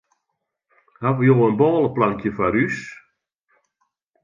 Hawwe jo in bôleplankje foar ús?